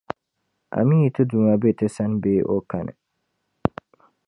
Amii Ti Duuma be ti sani bee o kani?